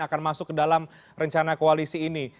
akan masuk ke dalam rencana koalisi ini